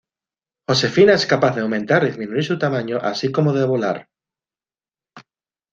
Josefina es capaz de aumentar y disminuir su tamaño, así como de volar.